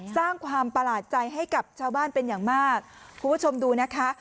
สร้างความประหลาดใจให้กับชาวบ้านเป็นอย่างมากคุณผู้ชมดูนะคะ